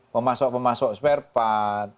pemasok pemasok spare part